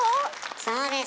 そうです。